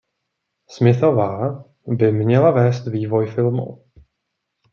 Smithová by měla vést vývoj filmu.